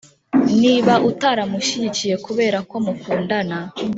niba utaramushyigikiye kubera ku mukundana